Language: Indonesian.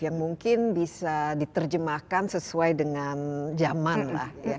yang mungkin bisa diterjemahkan sesuai dengan zaman lah